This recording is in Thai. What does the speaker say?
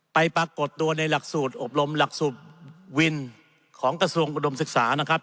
ปรากฏตัวในหลักสูตรอบรมหลักสูตรวินของกระทรวงอุดมศึกษานะครับ